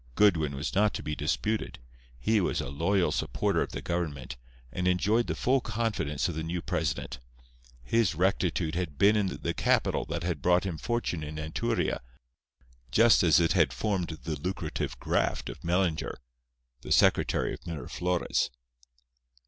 Goodwin was not to be disputed. He was a loyal supporter of the government, and enjoyed the full confidence of the new president. His rectitude had been the capital that had brought him fortune in Anchuria, just as it had formed the lucrative "graft" of Mellinger, the secretary of Miraflores.